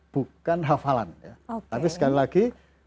bukan hafalan ya tapi sekali lagi